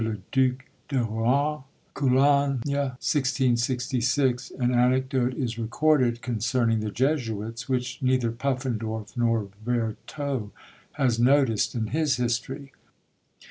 le duc de Rohan; Cologne, 1666," an anecdote is recorded concerning the Jesuits, which neither Puffendorf nor Vertot has noticed in his history.